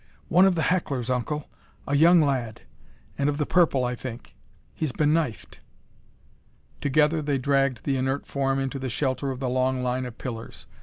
"One of the hecklers, Uncle. A young lad; and of the purple I think. He's been knifed." Together they dragged the inert form into the shelter of the long line of pillars.